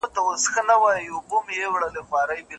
دوی له ډېر پخوا د ښو دندو د پیدا کولو خوبونه لیدل.